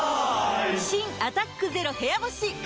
新「アタックＺＥＲＯ部屋干し」解禁‼